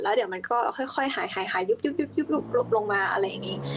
เดี๋ยวมันก็ค่อยหายยุบลบลงมาอะไรอย่างนี้